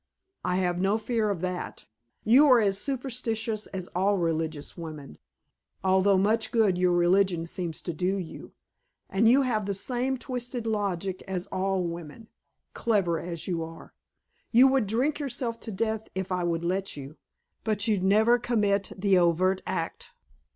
"I have no fear of that. You are as superstitious as all religious women although much good your religion seems to do you. And you have the same twisted logic as all women, clever as you are. You would drink yourself to death if I would let you, but you'd never commit the overt act.